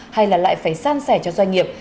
hay lại phải san sẻ cho doanh nghiệp